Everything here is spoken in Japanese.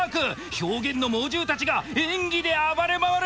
表現の猛獣たちが演技で暴れ回る！